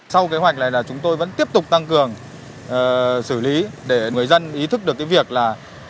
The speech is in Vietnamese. sau kế hoạch này là chúng tôi vẫn tiếp tục tăng cường xử lý để người dân ý thức được cái việc là